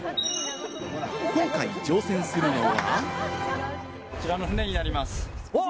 今回、乗船するのは。